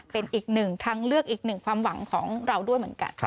เป็นอีกหนึ่งทางเลือกอีกหนึ่งความหวังของเราด้วยเหมือนกัน